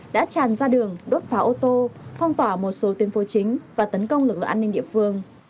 đã tràn ra đường đốt pháo ô tô phong tỏa một số tuyến phố chính và tấn công lực lượng an ninh địa phương